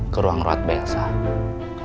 ke ruang ruang ruang baiklah